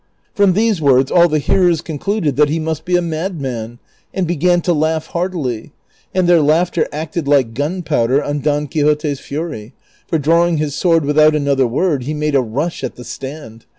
From these Avords all the hearers concluded that he must be a madman, and began to laugh heartily, and their laughter acted like gunpoAvder on Don Quixote's fury, for draAving his sword Avithout another Avord lie made a rush at the stand.